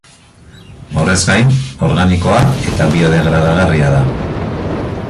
Horrez gain, organikoa eta biodegradagarria da.